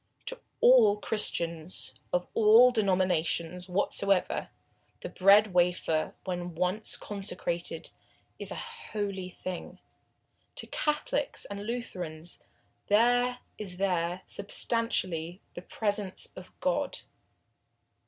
To all Christians, of all denominations whatsoever, the bread wafer when once consecrated is a holy thing. To Catholics and Lutherans there is there, substantially, the Presence of God.